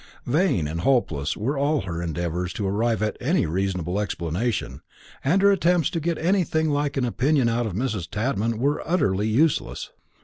Vain and hopeless were all her endeavours to arrive at any reasonable explanation, and her attempts to get anything like an opinion out of Mrs. Tadman were utterly useless.